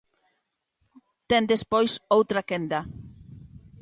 Ten despois outra quenda.